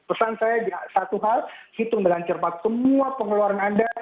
pesan saya satu hal hitung dengan cepat semua pengeluaran anda